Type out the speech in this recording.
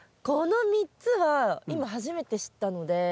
この３つは今初めて知ったので。